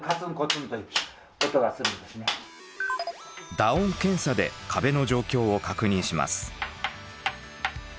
打音検査で壁の状況を確認します。